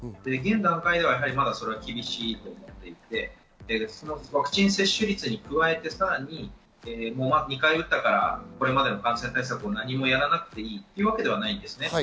現段階ではまだ厳しいと思っていて、ワクチン接種率に加えてさらに２回打ったから、これまでの感染対策、何もやらなくていいというわけではないんです。